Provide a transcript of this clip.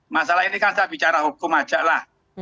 masalah ini kan saya bicara hukum aja lah